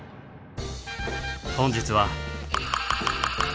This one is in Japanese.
本日は。